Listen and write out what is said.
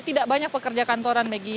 tidak banyak pekerja kantoran maggie